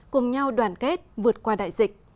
cùng nhau đoàn kết vượt qua đại dịch